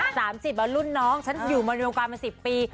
๓๐บาทรุ่นน้องฉันอยู่บริโมงความมา๑๐ปี